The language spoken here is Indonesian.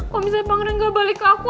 kalau misalnya pangeran gak balik ke aku